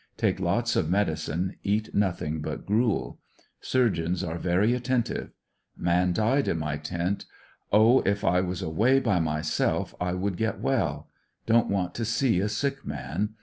Take lots of medicine, eat nothing but gruel. Surgeons are very attentive. Man died in my tent. Oh, if I was away by myself, I would get well. Don't want to see a sick man.